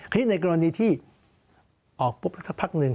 ทีนี้ในกรณีที่ออกปุ๊บสักพักหนึ่ง